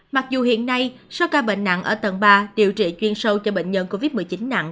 mặc dù hiện nay số ca bệnh nặng ở tầng ba điều trị chuyên sâu cho bệnh nhân covid một mươi chín nặng